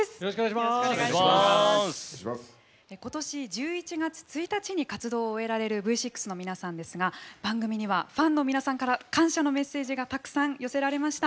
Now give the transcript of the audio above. ことし１１月１日に活動を終えられるＶ６の皆さんですが番組にはファンの皆さんから感謝のメッセージがたくさん寄せられました。